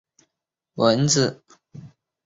苗栗丽花介为粗面介科丽花介属下的一个种。